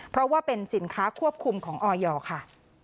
เพราะว่าเป็นสินค้าควบคุมของออยค่ะ